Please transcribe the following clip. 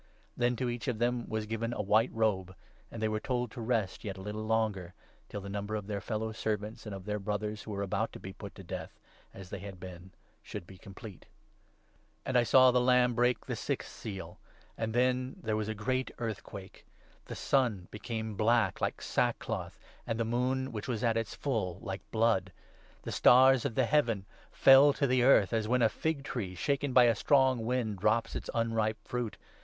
' Then to each II of them was given a white robe, and they were told to rest yet a little longer, till the number of their fellow servants and of their Brothers who were about to be put to death, as they had been, should be complete. And I saw the Lamb break the sixth seal, and then there 12 was a great earthquake. The sun became black, like sack cloth, and the moon, which was at its full, like blood. ' The 13 stars of the heavens fell ' to the earth, as when a fig tree, shaken by a strong wind, drops its unripe fruit.